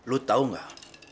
lo tau gak